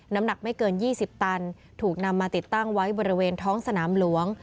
น้ำหนักไม่เกิน๒๐ตันถูกนำมาติดตั้งไว้บริเวณท้องสนามหลวง